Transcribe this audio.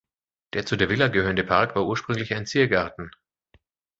Der zu der Villa gehörende Park war ursprünglich ein Ziergarten.